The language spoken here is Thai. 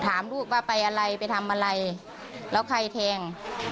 ถามลูกว่าไปอะไรไปทำอะไรแล้วใครแทง